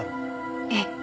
ええ。